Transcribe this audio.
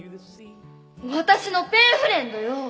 私のペンフレンドよ！